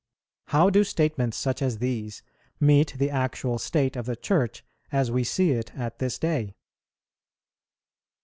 How do statements such as these meet the actual state of the Church as we see it at this day?